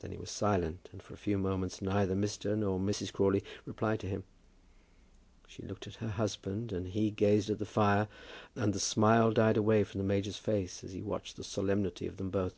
Then he was silent, and for a few moments neither Mr. nor Mrs. Crawley replied to him. She looked at her husband, and he gazed at the fire, and the smile died away from the major's face, as he watched the solemnity of them both.